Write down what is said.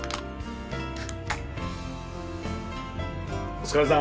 お疲れさん！